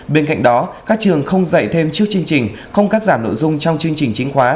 bên cạnh đó các trường không dạy thêm trước chương trình không cắt giảm nội dung trong chương trình chính khóa